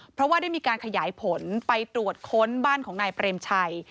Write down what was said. เพราะว่าได้มีการขยายผลไปตรวจค้นบ้านของนายเปรมชัย